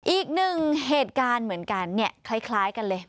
อีกหนึ่งเหตุการณ์เหมือนกันเนี่ยคล้ายกันเลย